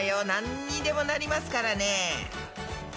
なんにでもなりますからね！